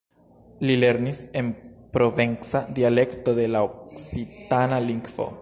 Li verkis en la provenca dialekto de la okcitana lingvo.